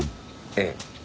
ええ。